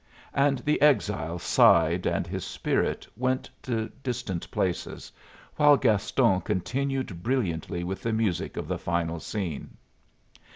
And the exile sighed and his spirit went to distant places, while Gaston continued brilliantly with the music of the final scene.